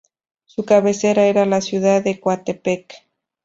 Su cabecera era la ciudad de Coatepec.